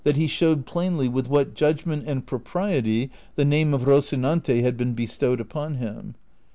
57 he showed plainly with what judgment and propriety the name of Rocinante had been bestowed upon him.